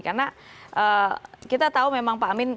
karena kita tahu memang pak amin